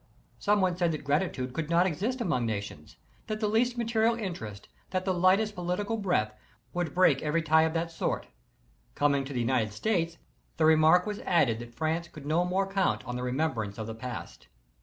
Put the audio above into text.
Some one said that grati tude could not exist among nations, that the least material interest, that the lightest political breath, would break every tie of that sort; coming to the United States, the remark was added that France could no more count on the remembrance of the past.